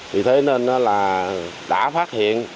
vì thế nên nó là đã phát hiện